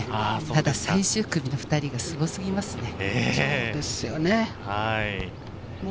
ただ最終組の２人がすごすぎますそうですよね。